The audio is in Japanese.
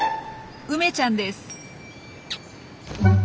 梅ちゃんです。